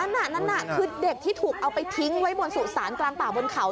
นั่นคือเด็กที่ถูกเอาไปทิ้งไว้บนสุสานกลางป่าวบนเขา